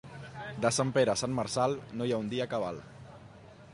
De Sant Pere a Sant Marçal no hi ha un dia cabal.